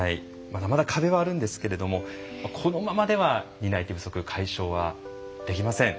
まだまだ課題はあるんですけどこのままでは担い手不足解消はできません。